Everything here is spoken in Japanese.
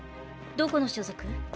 どこの所属？